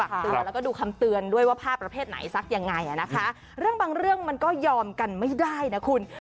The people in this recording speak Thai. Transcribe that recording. เตือนแล้วก็ดูคำเตือนด้วยว่าผ้าประเภทไหนซักยังไงนะคะเรื่องบางเรื่องมันก็ยอมกันไม่ได้นะคุณ